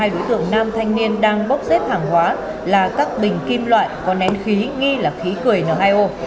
hai đối tượng nam thanh niên đang bốc xếp hàng hóa là các bình kim loại có nén khí nghi là khí cười n hai o